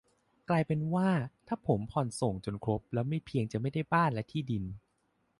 กลายเป็นว่าถ้าผมผ่อนส่งจนครบแล้วไม่เพียงจะไม่ได้บ้านและที่ดิน